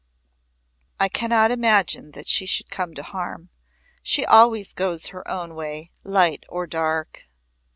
I cannot imagine that she should come to harm. She always goes her own way light or dark."